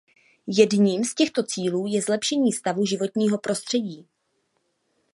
Jedním z těchto cílů je zlepšení stavu životního prostředí.